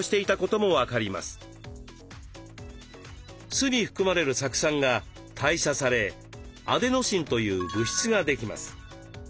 酢に含まれる酢酸が代謝されアデノシンという物質ができます。